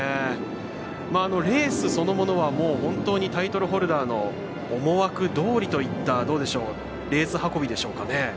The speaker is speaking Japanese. レースそのものはタイトルホルダーの思惑どおりというようなレース運びでしょうかね。